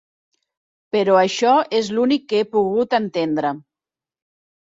Però això és l'únic que he pogut entendre.